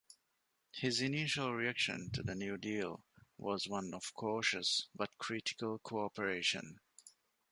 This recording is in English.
His initial reaction to the New Deal was one of cautious but critical cooperation.